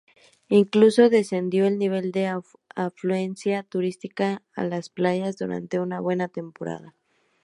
Incluso descendió el nivel de afluencia turística a las playas durante una buena temporada.